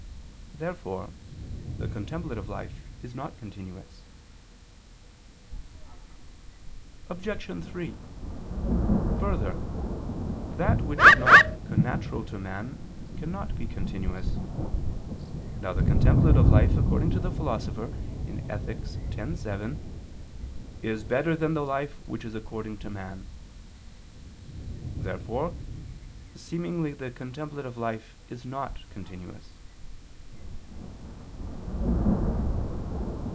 Therefore the contemplative life is not continuous. Obj. 3: Further, that which is not connatural to man cannot be continuous. Now the contemplative life, according to the Philosopher (Ethic. x, 7), "is better than the life which is according to man." Therefore seemingly the contemplative life is not continuous.